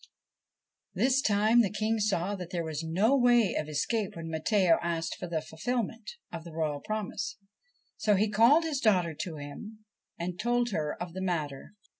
This time the King saw that there was no way of escape when Matteo asked for the fulfilment of the royal promise, so he called his daughter to him and told her of the matter.